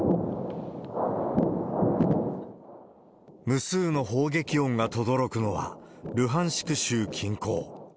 無数の砲撃音がとどろくのは、ルハンシク州近郊。